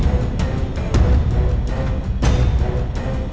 yuk gue bantuin